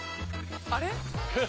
あれ？